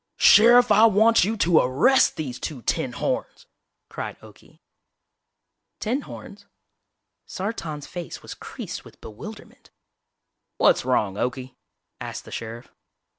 "Sheriff, I want you to arrest these two tinhorns!" cried Okie. "Tinhorns??" Sartan's face was creased with bewilderment. "What's wrong, Okie?" asked the sheriff.